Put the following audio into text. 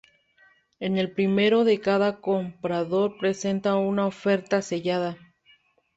En el primero de cada comprador presenta una oferta sellada.